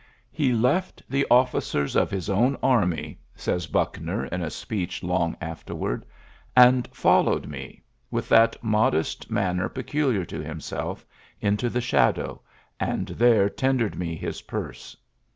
" He left the officers of his own army" (says Bnckner in a speech long afterward), ^^and followed me, with that modest manner peculiar to himself into the shadow, and there tendered me his purse.